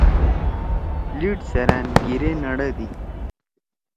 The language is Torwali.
لیِڑ سیرأن گیِرے نڑدی۔